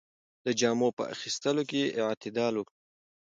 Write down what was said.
د جامو په اخیستلو کې اعتدال وکړئ.